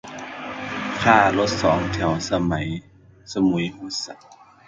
ค่ารถสองแถวสมุยโหดสัส